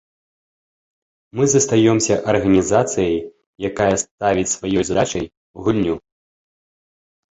Мы застаёмся арганізацыяй, якая ставіць сваёй задачай гульню.